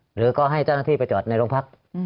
หรือก็ให้เจ้าหน้าที่ไปจอดในโรงพัก